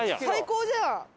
最高じゃん。